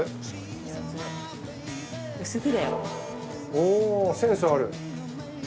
おセンスある。